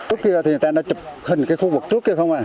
lúc kia thì người ta đã chụp hình cái khu vực trước kia không à